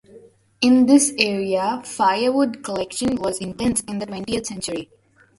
In this area firewood collection was intense in the twentieth century.